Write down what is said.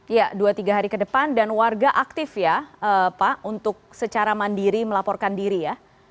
ya dua tiga hari ke depan dan warga aktif ya pak untuk secara mandiri melaporkan diri ya